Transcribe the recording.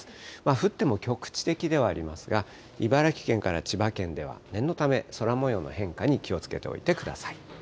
降っても局地的ではありますが、茨城県から千葉県では、念のため空もようの変化に気をつけておいてください。